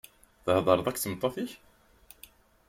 Theḍṛeḍ akked tmeṭṭut-ik?